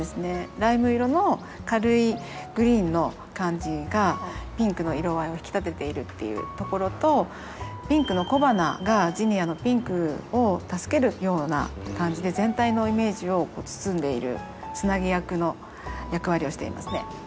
ライム色の軽いグリーンの感じがピンクの色合いを引き立てているっていうところとピンクの小花がジニアのピンクを助けるような感じで全体のイメージを包んでいるつなぎ役の役割をしていますね。